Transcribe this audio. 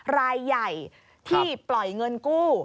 รายใหญ่ที่ปล่อยเงินกู้